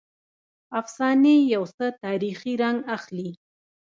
افسانې یو څه تاریخي رنګ اخلي.